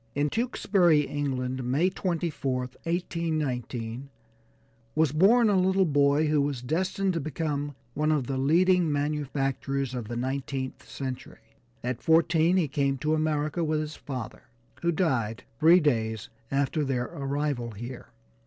In Tewksbury, England, May 24th, 1819, was born a little boy who was destined to become one of the leading manufacturers of the nineteenth century. At fourteen he came to America with his father, who died three days after their arrival here.